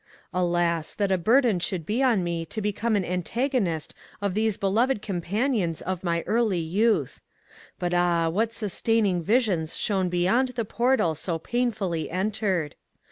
Alas, that a burden should be on me to become an antago nist of these beloved companions of my early youth ! But ah, what sustaining visions shone beyond the portal so painfully entered